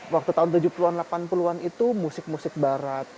waktu tahun tujuh puluh an delapan puluh an itu musik musik barat